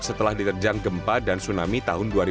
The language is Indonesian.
setelah diterjang gempa dan tsunami tahun dua ribu dua